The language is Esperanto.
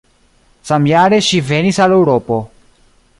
Samjare ŝi venis al Eŭropo.